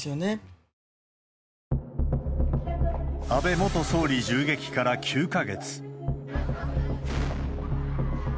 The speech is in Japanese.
元総理銃撃から９か月。